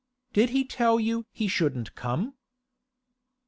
'Did he tell you he shouldn't come?